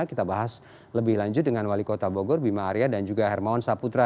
kita bahas lebih lanjut dengan wali kota bogor bima arya dan juga hermawan saputra